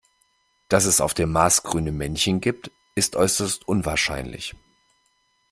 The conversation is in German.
Dass es auf dem Mars grüne Männchen gibt, ist äußerst unwahrscheinlich.